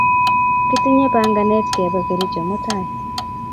Kitinye panganet kepe Kericho mutai.